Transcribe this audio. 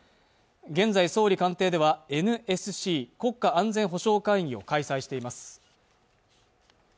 現在総理官邸ではＮＳＣ＝国家安全保障会議を開催しています